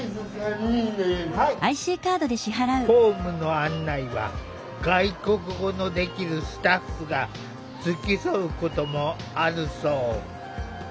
ホームの案内は外国語のできるスタッフが付き添うこともあるそう。